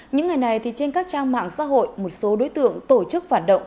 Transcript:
những ngày này trên các trang mạng xã hội một số đối tượng tổ chức phản động